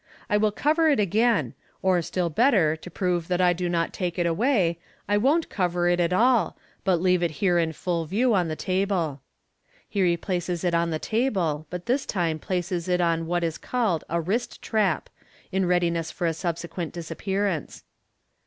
" I will cover it again $ or, still better, to prove that I do not take it away, I won't cover it at all, but leave it here in full view on the table." He replaces it on the table, but this time places it on what is called a u wrist trap," in readiness for a subsequent disappearance.